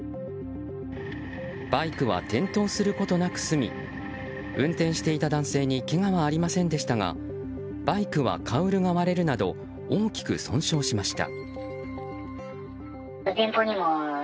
バイクは転倒することなく済み運転していた男性にけがはありませんでしたがバイクはカウルが割れるなど大きく損傷しました。